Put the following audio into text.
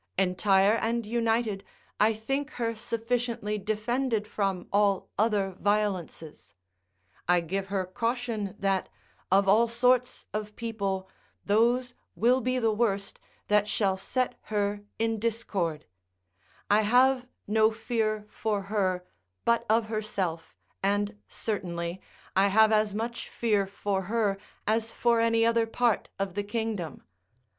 Entire and united, I think her sufficiently defended from all other violences. I give her caution that, of all sorts of people, those will be the worst that shall set her in discord; I have no fear for her, but of herself, and, certainly, I have as much fear for her as for any other part of the kingdom.